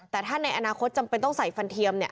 แต่ถ้าในอนาคตจำเป็นต้องใส่ฟันเทียมเนี่ย